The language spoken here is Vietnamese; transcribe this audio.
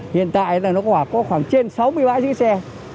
hiện tại là nó có khoảng trên sáu mươi bãi dưới xe